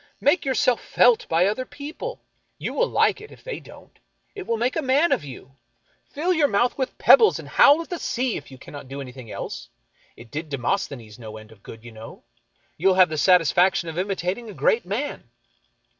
Make yourself felt by other people. You will like it, if they don't. It will make a man of you. Fill your mo; ith W'ith pebbles, and howl at the sea, if you cannot do anything else. It did Demosthenes no end of good, you know. You will have the satisfaction of imitating a great man."